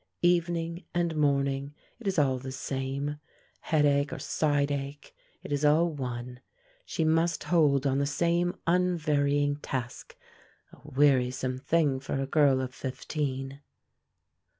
Evening and morning, it is all the same; headache or sideache, it is all one. She must hold on the same unvarying task a wearisome thing for a girl of fifteen.